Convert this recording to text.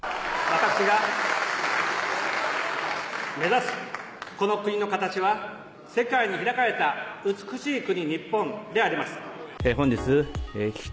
私が目指すこの国の形は、世界に開かれた美しい国日本であります。